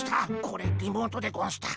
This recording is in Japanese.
これリモートでゴンした。